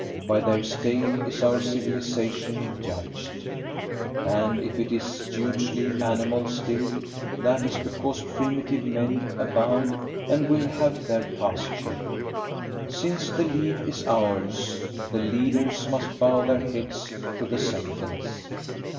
By their state is our civilization judged: and if it is hugely animal still, that is because primitive men abound and will have their pasture. Since the lead is ours, the leaders must bow their heads to the sentence.